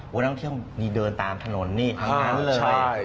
ว่านักท่องเที่ยวเดินตามถนนหานั้นเลย